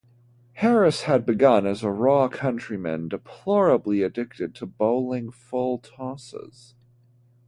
Harris had begun as a "raw countryman, deplorably addicted to bowling full tosses".